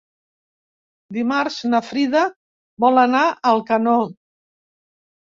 Dimarts na Frida vol anar a Alcanó.